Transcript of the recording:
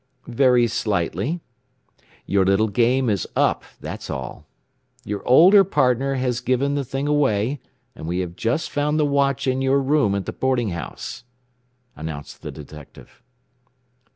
"Very slightly. Your little game is up, that's all. Your older partner has given the thing away, and we have just found the watch in your room at the boarding house," announced the detective.